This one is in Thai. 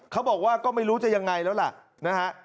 เขาบอกว่าก็ไม่รู้จะยังไงแล้วล่ะนะฮะ